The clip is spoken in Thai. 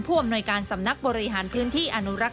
อำนวยการสำนักบริหารพื้นที่อนุรักษ